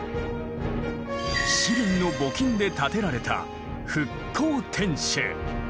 市民の募金で建てられた復興天守。